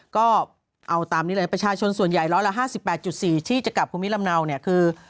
ก็เอาตามนี้เลยประชาชนส่วนใหญ่๑๕๘๔ที่จะกลับภูมิลำเนาเนี่ยคือ